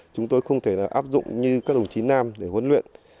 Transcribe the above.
chúng tôi không thể áp dụng như các đồng chí nam để huấn luyện